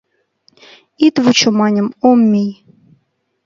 «Ит вучо, — маньым, — ом мий».